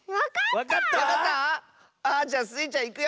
わかった⁉あっじゃあスイちゃんいくよ。